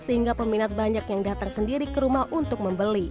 sehingga peminat banyak yang datang sendiri ke rumah untuk membeli